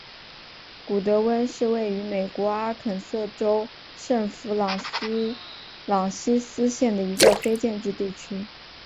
古得温是位于美国阿肯色州圣弗朗西斯县的一个非建制地区。